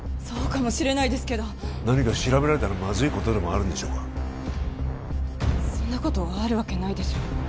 そうかもしれないですけど何か調べられたらまずいことでもあるんでしょうかそんなことあるわけないでしょう